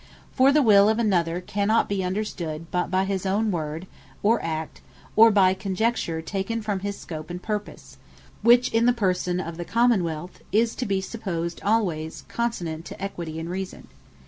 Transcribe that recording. For the will of another, cannot be understood, but by his own word, or act, or by conjecture taken from his scope and purpose; which in the person of the Common wealth, is to be supposed alwaies consonant to Equity and Reason.